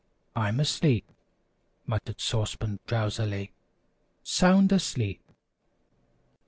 I'm asleep," muttered Sauce Pan drowsily, "sound asleep!"